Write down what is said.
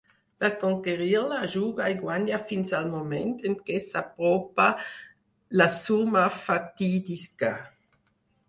Per conquerir-la, juga i guanya fins al moment en què s'apropa a la suma fatídica.